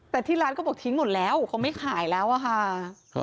แต่ที่ร้านก็บอกทิ้งหมดแล้วเขาไม่ขายแล้วอะค่ะ